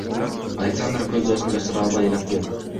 Александра көз жашын жашыра албай ыйлап жиберди.